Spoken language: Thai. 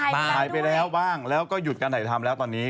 ตายไปแล้วบ้างแล้วก็หยุดการถ่ายทำแล้วตอนนี้